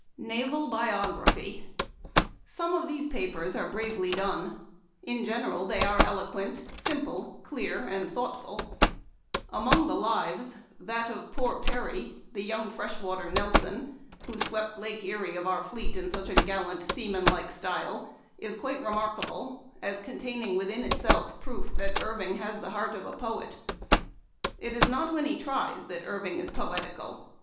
"Naval Biography. — Some of these papers are bravely done. In general they are eloquent, simple, clear, and beautiful. Among the ' Lives,' Memoir of Washington Irving. 141 that of poor Perry, the young fresh water Nelson, who swept Lake Erie of our fleet in such a gal lant, seaman like style, is quite remarkable, as containing within itself proof that Irving has the heart of a poet. ... It is not when he tries that Irving is poetical.